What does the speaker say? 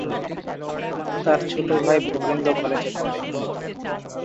তার ছোট ভাই বরেন্দ্র কলেজে পড়ে।